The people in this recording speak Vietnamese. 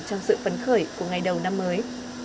trong sự phấn khởi của ngày đầu năm mới